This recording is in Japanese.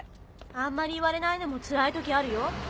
あんまり言われないのもつらい時あるよ。